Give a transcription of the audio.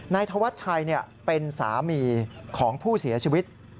นายทวัดชัยเนี่ยเป็นสามีของผู้เสียชีวิต